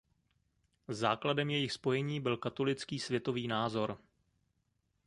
Základem jejich spojení byl katolický světový názor.